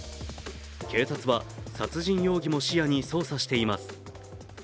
警察は殺人容疑も視野に捜査しています。